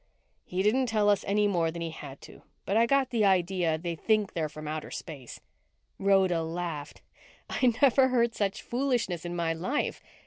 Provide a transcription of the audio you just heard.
"He didn't tell us any more than he had to, but I got the idea they think they're from outer space." Rhoda laughed. "I never heard such foolishness in my life."